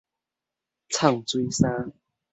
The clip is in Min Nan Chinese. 藏水衫